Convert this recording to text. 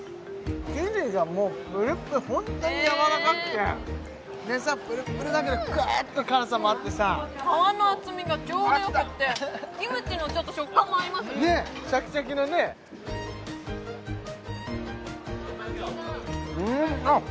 生地がもうプルッてホントにやわらかくてでさプルップルだけどクーッと辛さもあってさ皮の厚みがちょうどよくってキムチの食感も合いますねシャキシャキのねうんあっ！